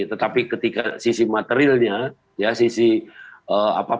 tetapi ketika sisi materialnya ya sisi apa